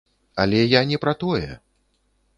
Але я не пра тое!